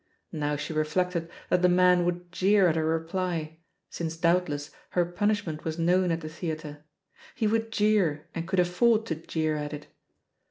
Now she reflected that the man would jeer at her reply, since doubtless her punishment was known at the theatre; he wotdd jeer and oould afi^ord to jeer at it.